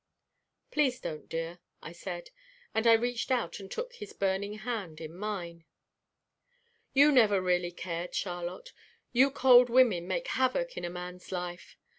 "Please don't, dear," I said, and I reached out and took his burning hand in mine. "You never really cared, Charlotte. You cold women make havoc in a man's life.